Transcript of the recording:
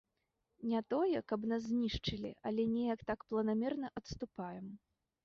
Не тое, каб нас знішчылі, але неяк так планамерна адступаем.